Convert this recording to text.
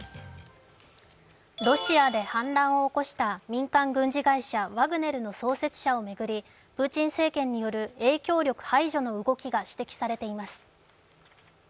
ロシアで反乱を起こした民間軍事会社ワグネルの創設者を巡り、プーチン政権による影響力排除の動きが指摘されています。